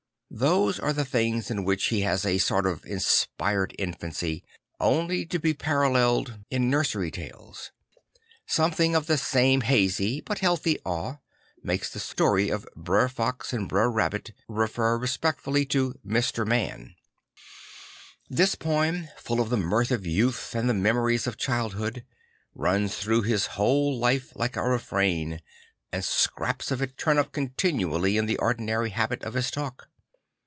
Those are the things in which he has a sort of inspired infancy, only to be paralleled in nursery he Little Poor Jt;fan 10 5 tales Something of the same hazy but healthy awe makes the story of Erer Fox and Erer Rabbit refer respectfully to l\lr. Man. This poem, full of the mirth of youth and the memories of childhood, rUllS through his \vhole life like a refrain, and scraps of it turn up contin ually in the ordinary habit of his talk.